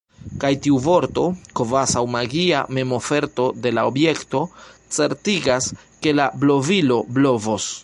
Kaj tiu vorto, kvazaŭ magia memoferto de la objekto, certigas, ke la blovilo blovos.